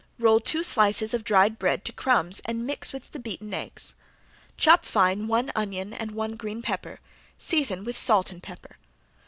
Roll two slices of dried bread to crumbs and mix with the beaten eggs. Chop fine one onion and one green pepper, season with salt and pepper.